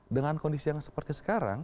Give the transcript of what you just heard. dengan kondisi yang seperti sekarang